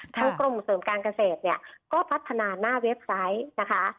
ทางกรมเสริมการเกษตรก็พัฒนาหน้าเว็บไซต์